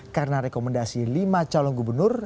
karena rekomendasi lima calon gubernur